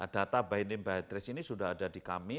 data bnm beatrice ini sudah ada di kami